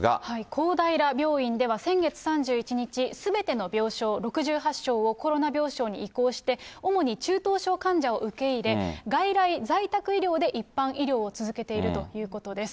公平病院では、先月３１日、すべての病床６８床を、コロナ病床に移行して、主に中等症患者を受け入れ、外来、在宅医療で一般医療を続けているということです。